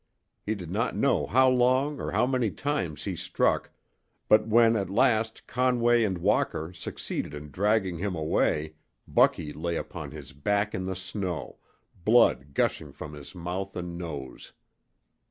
He did not know how long or how many times he struck, but when at last Conway and Walker succeeded in dragging him away Bucky lay upon his back in the snow, blood gushing from his mouth and nose.